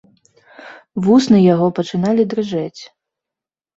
Вусны яго пачыналі дрыжэць.